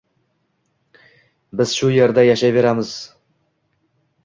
Biz shu yerda yashayveramiz!